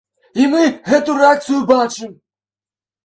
І мы гэтую рэакцыю бачым.